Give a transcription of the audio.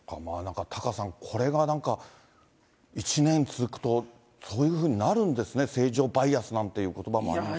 タカさん、これがなんか、１年続くとそういうふうになるんですね、正常バイアスなんてことばもありますけど。